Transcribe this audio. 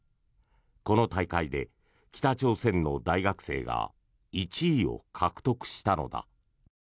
この大会で北朝鮮の大学生が１位を獲得したのだ。